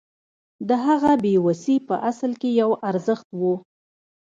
د هغه بې وسي په اصل کې یو ارزښت و